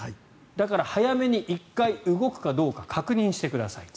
だから早めに１回、動くかどうか確認してください。